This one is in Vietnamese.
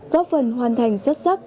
góp phần hoàn thành xuất sắc